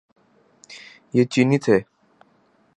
یہ چینی تھے۔